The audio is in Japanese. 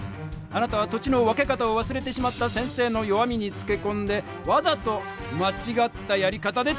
あなたは土地の分け方をわすれてしまった先生の弱みにつけこんでわざとまちがったやり方で土地を分けた。